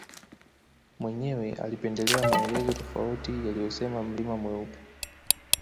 Mwenyewe alipendelea maelezo tofauti yaliyosema mlima mweupe